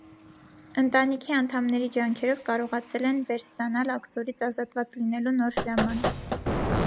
Ընտանիքի անդամների ջանքերով կարողացել են վերստանալ աքսորից ազատված լինելու նոր հրաման։